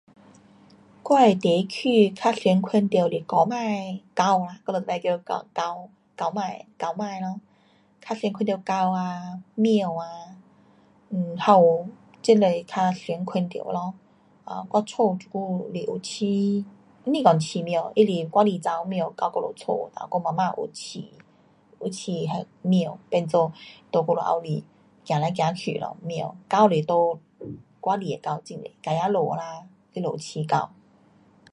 我的地区，较常看到是狗儿 [unintelligible] 较多看到狗儿，猫啊 [jam] 走来走去。